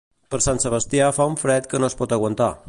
Per Sant Sebastià fa un fred que no es pot aguantar.